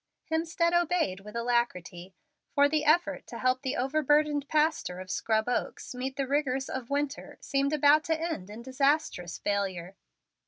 Hemstead obeyed with alacrity; for the effort to help the overburdened pastor of Scrub Oaks meet the rigors of winter seemed about to end in disastrous failure.